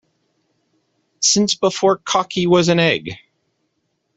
Since before cocky was an egg.